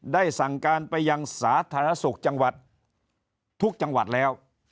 ได้สั่งการไปยังสาธารณสุขจังหวัดทุกจังหวัดแล้ว